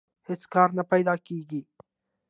هېڅ کار نه پیدا کېږي